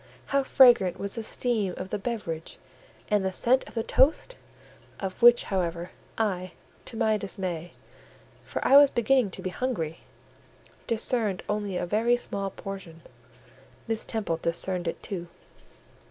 How fragrant was the steam of the beverage, and the scent of the toast! of which, however, I, to my dismay (for I was beginning to be hungry) discerned only a very small portion: Miss Temple discerned it too.